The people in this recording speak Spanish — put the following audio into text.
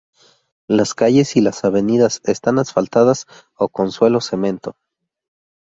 Las calles y las avenidas están asfaltadas o con suelo-cemento.